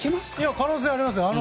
可能性はありますよ。